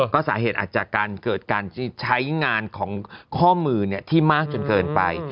ก็สาเหตุอาจจะเกิดการใช้งานของข้อมือที่มากจนเกินไป